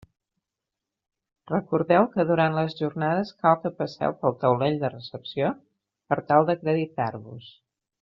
Recordeu que durant les Jornades cal que passeu pel taulell de recepció per tal d'acreditar-vos.